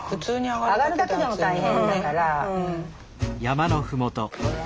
上がるだけでも大変だから。